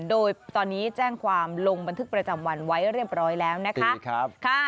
โดยตอนนี้แจ้งความลงบันทึกประจำวันไว้เรียบร้อยแล้วนะคะ